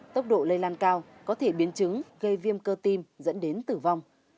tốc độ lây lan cao có thể biến chứng gây viêm cơ tim dẫn đến tử vong